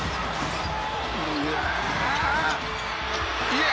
「いや！」